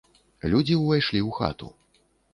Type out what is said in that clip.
Людзі ўвайшлі ў хату.